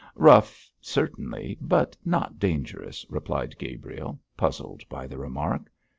'Rough certainly, but not dangerous,' replied Gabriel, puzzled by the remark.